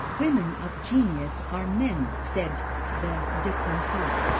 "Women of genius are men," said the De Goncourts.